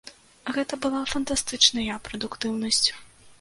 Гэта была фантастычная прадуктыўнасць.